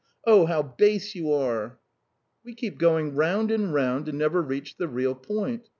Oh, how base you are!" "We keep going round and round and never reach the real point.